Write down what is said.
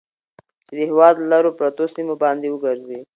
چې د هېواد لرو پرتو سيمو باندې وګرځي.